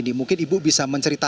jadi mungkin ibu bisa menceritakan